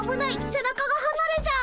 背中がはなれちゃう！